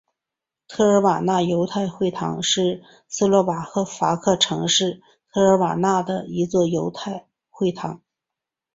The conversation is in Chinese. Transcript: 特尔纳瓦犹太会堂是斯洛伐克城市特尔纳瓦的一座犹太会堂。